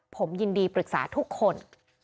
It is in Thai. ผมยินดีปรึกษาทุกคน